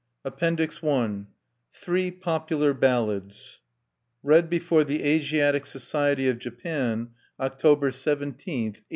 _" APPENDIX THREE POPULAR BALLADS Read before the Asiatic Society of Japan, October 17, 1894.